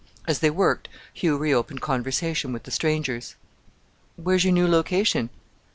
As they worked Hugh re opened conversation with the strangers. "Where's your new location?"